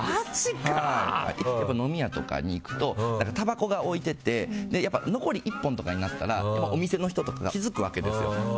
飲み屋とかに行くとたばこが置いてて残り１本とかになったらお店の人とか気付くわけですよ。